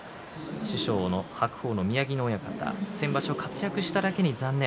師匠の白鵬の宮城野親方は先場所、活躍しただけに残念。